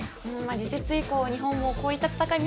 次節以降、日本もこういった戦いを